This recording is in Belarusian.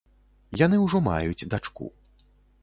Яны ўжо маюць дачку.